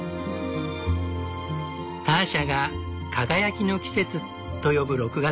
ターシャが「輝きの季節」と呼ぶ６月。